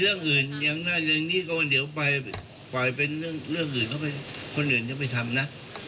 แล้วส่วนตัวท่านมองเรื่องนี้กัน